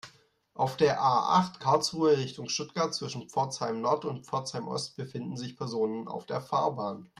Auf der A-acht, Karlsruhe Richtung Stuttgart, zwischen Pforzheim-Nord und Pforzheim-Ost befinden sich Personen auf der Fahrbahn.